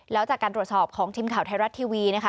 แล้วจากการตรวจสอบของทีมข่าวไทยรัฐทีวีนะคะ